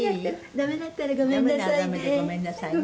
「ダメだったらごめんなさいね」